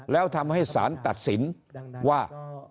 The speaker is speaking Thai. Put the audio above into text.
แล้วทำให้สารตัดสินว่า